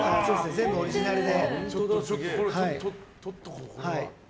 全部オリジナルで。